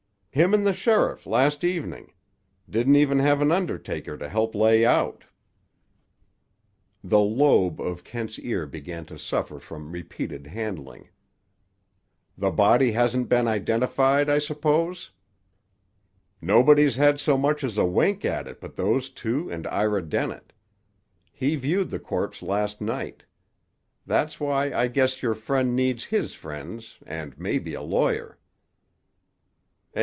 "Him and the sheriff last evening. Didn't even have an undertaker to help lay out." The lobe of Kent's ear began to suffer from repeated handling. "The body hasn't been identified, I suppose?" "Nobody's had so much as a wink at it but those two and Ira Dennett. He viewed the corpse last night. That's why I guess your friend needs his friends and maybe a lawyer."